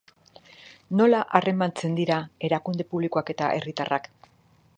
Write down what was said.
Nola harremantzen dira erakunde publikoak eta herritarrak?